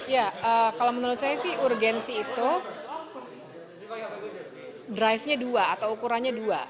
ya kalau menurut saya sih urgensi itu drive nya dua atau ukurannya dua